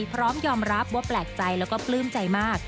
พร้อมยอมรับว่าแปลกใจแล้วก็ปลื้มใจมาก